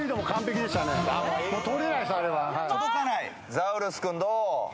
ザウルス君どう？